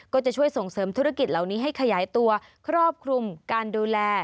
ก็จะช่วยส่งเสริมธุรกิจเหล่านี้ให้ขยายตัวครอบคลุมการดูแล